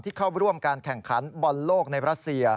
ที่เข้าร่วมการแข่งขันบอลโลกในประเศษ